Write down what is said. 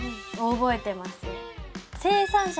覚えてますよ。